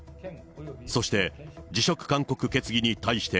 そして、辞職勧告決議に対して、